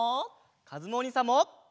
かずむおにいさんも！